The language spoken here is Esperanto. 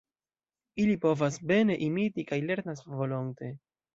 Ili povas bene imiti, kaj lernas volonte.